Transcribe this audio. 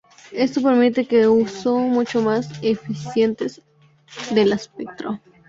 Esto permite un uso mucho más eficiente del espectro.